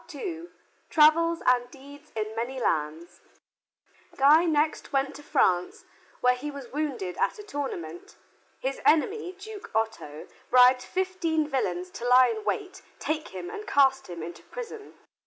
II TRAVELS AND DEEDS IN MANY LANDS Guy next went to France, where he was wounded at a tournament. His enemy, Duke Otto, bribed fifteen villains to lie in wait, take him and cast him into prison.